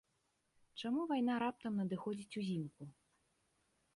Чаму вайна раптам надыходзіць узімку?